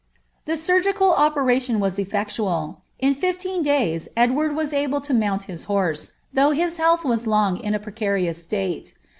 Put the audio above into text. "' iiTical operation was e^ctual ; in fifVeen days Edward was able t his horse, though his health was long in a precarious state.